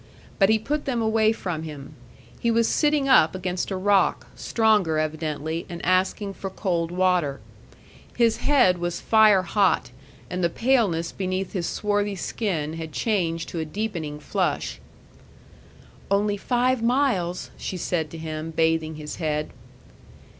But he put them away from him. He was sitting up against a rock, stronger evidently, and asking for cold water. His head was fire hot, and the paleness beneath his swarthy skin had changed to a deepening flush. "Only five miles!" she said to him, bathing his head.